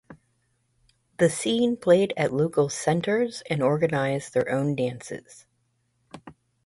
The Scene played at local centres and organised their own dances.